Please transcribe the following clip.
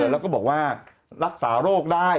แล้วก็บอกว่ารักษาโรคได้